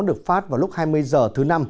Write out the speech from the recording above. được phát vào lúc hai mươi h thứ năm